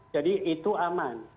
jadi itu aman